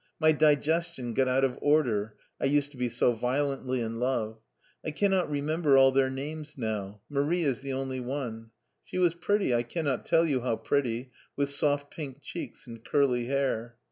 My digestion got out of order, I used to be so violently in love. I cannot remember all their names now — Marie is the only one. She was pretty — I cannot tell you how pretty — ^with soft pink cheeks and curly hair.